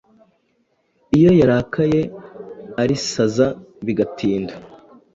iyo yarakaye arisaza bigatinda